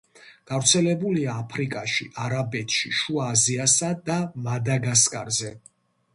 გავრცელებულია აფრიკაში, არაბეთში, შუა აზიაში და მადაგასკარზე.